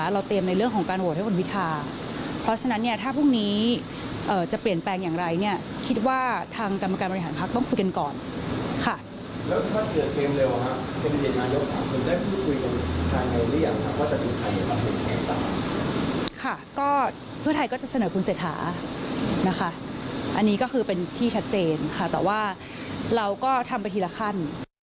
เราก็ทำไปทีละขั้น